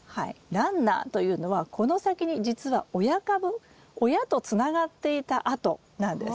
ランナーというのはこの先にじつは親株親とつながっていた跡なんです。